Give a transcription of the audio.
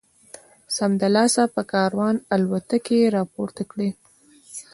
سمدلاسه پر کاروان الوتکې را پورته کړي.